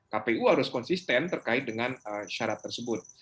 kpu harus konsisten terkait dengan syarat tersebut